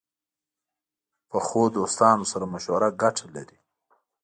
پخو دوستانو سره مشوره ګټه لري